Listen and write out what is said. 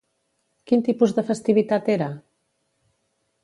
Quin tipus de festivitat era?